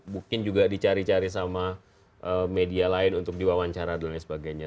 mungkin juga dicari cari sama media lain untuk diwawancara dan lain sebagainya